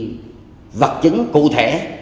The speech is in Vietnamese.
đây là những vật chứng cụ thể